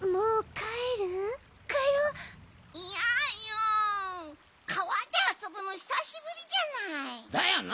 かわであそぶのひさしぶりじゃない！だよな！